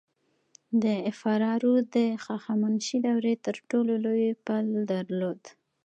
د فراه رود د هخامنشي دورې تر ټولو لوی پل درلود